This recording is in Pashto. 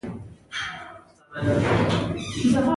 اشنا تا هم دومره غټه ډبره ور و غورځوله.